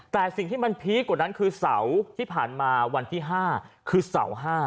แต่สิ่งที่มันพีคกว่านั้นคือเสาร์ที่ผ่านมาวันที่๕คือเสาร์๕